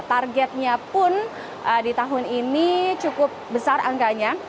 targetnya pun di tahun ini cukup besar angkanya